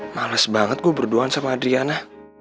males banget gue berdoaan sama adriana